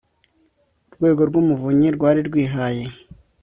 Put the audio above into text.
Urwego rw Umuvunyi rwari rwihaye